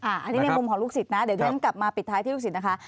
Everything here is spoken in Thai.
อันนี้ในมุมของลูกศิษย์นะเดี๋ยวที่ฉันกลับมาปิดท้ายที่ลูกศิษย์นะคะ